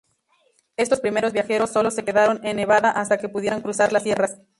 Estos primeros viajeros solo se quedaron en Nevada hasta que pudieron cruzar las Sierras.